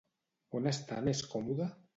On està més còmode?